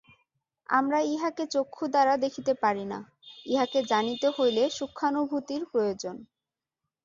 আমরা ইহাকে চক্ষু দ্বারা দেখিতে পারি না, ইহাকে জানিতে হইলে সূক্ষ্মানুভূতির প্রয়োজন।